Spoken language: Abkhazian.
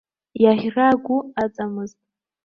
Иаӷьра гәы аҵамызт.